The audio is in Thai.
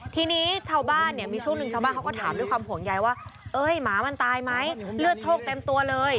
ทีนี้ชาวบ้านเนี่ยมีช่วงหนึ่งชาวบ้านก็ถามด้วยความหวงใยว่า